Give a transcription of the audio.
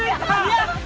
やった！